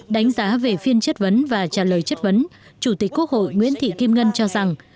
đánh giá về phiên chất vấn và trả lời chất vấn chủ tịch quốc hội nguyễn thị kim ngân cho rằng